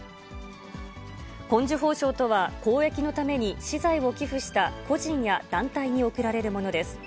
紺綬褒章とは、公益のために私財を寄付した個人や団体に贈られるものです。